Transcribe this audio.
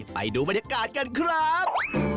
ไปดูบรรยากาศกันครับ